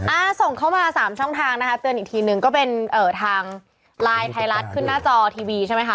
อ่าส่งเข้ามาสามช่องทางนะคะเตือนอีกทีหนึ่งก็เป็นเอ่อทางไลน์ไทยรัฐขึ้นหน้าจอทีวีใช่ไหมคะ